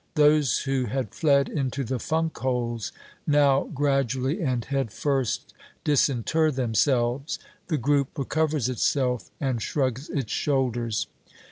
Those who had fled into the funk holes now gradually and head first disinter themselves. The group recovers itself and shrugs its shoulders.